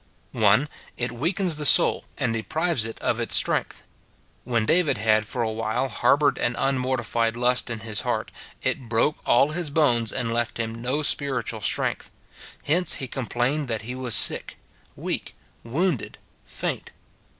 [1.] It weakens the soul, and deprives it of its strength. When David had for a while harboured an unmortified lust in his heart, it broke all his bones, and left him no spiritual strength ; hence he complained that he was sick, weak, wounded, faint.